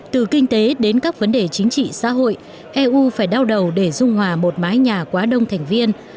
từ kinh tế đến các vấn đề chính trị xã hội eu phải đau đầu để dung hòa một mái nhà quá đông thành viên